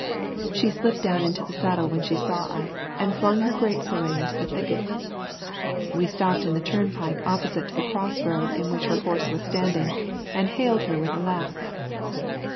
She slipped down into the saddle when she saw us, and flung her grapes away into the thicket. We stopped in the turnpike opposite to the cross road in which her horse was standing and hailed her with a laugh.